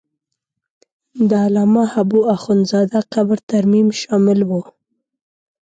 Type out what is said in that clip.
د علامه حبو اخند زاده قبر ترمیم شامل و.